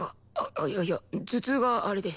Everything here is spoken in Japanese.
いやいや頭痛があれで。